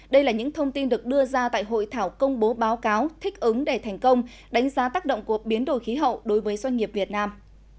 đây là những thông tin được đưa ra tại hội thảo công bố báo cáo thích ứng để thành công đánh giá tác động của biến đổi khí hậu đối với doanh nghiệp việt nam